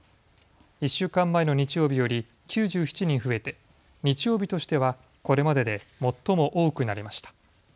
１週間前の日曜日より９７人増えて日曜日としては、これまでで最も多くなりました。